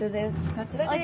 こちらです。